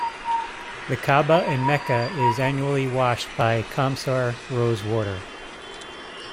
The Kaaba in Mecca is annually washed by Qamsar rose water.